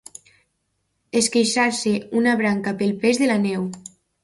Esqueixar-se una branca pel pes de la neu.